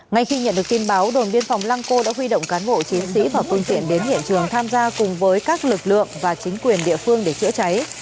ngay khi nhận được tin báo đồn biên phòng lăng cô đã huy động cán bộ chiến sĩ và phương tiện đến hiện trường tham gia cùng với các lực lượng và chính quyền địa phương để chữa cháy